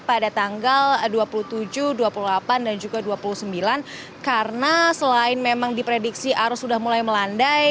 pada tanggal dua puluh tujuh dua puluh delapan dan juga dua puluh sembilan karena selain memang diprediksi arus sudah mulai melandai